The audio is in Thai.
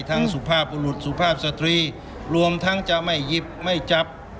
สุภาพบุรุษสุภาพสตรีรวมทั้งจะไม่หยิบไม่จับ